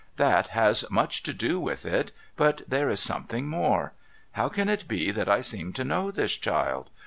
That has much to do with it, but there is something more. How can it be that I seem to know this child